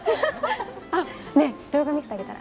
あっねえ動画見せてあげたら？